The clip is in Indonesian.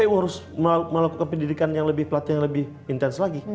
kpu harus melakukan pendidikan yang lebih pelatihan yang lebih intens lagi